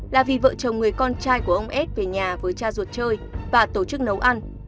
là vì vợ chồng người con trai của ông s về nhà với cha ruột chơi và tổ chức nấu ăn